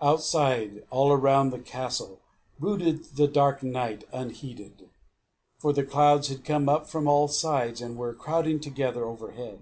Outside, all around the castle, brooded the dark night unheeded; for the clouds had come up from all sides, and were crowding together overhead.